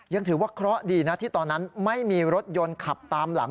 ยังถือว่าเคราะห์ดีนะที่ตอนนั้นไม่มีรถยนต์ขับตามหลัง